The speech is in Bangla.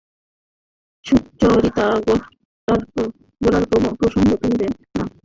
সুচরিতা গোরার প্রসঙ্গ তুলিবে না পণ করিয়া আসিয়াছিল।